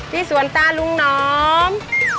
สวนตาลุงหนอม